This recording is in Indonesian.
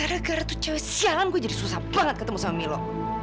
gara gara tuh cewek siang gue jadi susah banget ketemu sama milo